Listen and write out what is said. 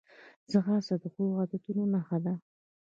ځغاسته د ښو عادتونو نښه ده